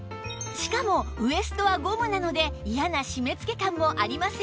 しかもウエストはゴムなので嫌な締め付け感もありません